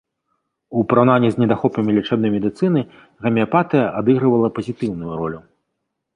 У параўнанні з недахопамі лячэбнай медыцыны гамеапатыя адыгрывала пазітыўную ролю.